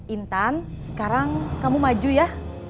intan sekarang kamu maju ya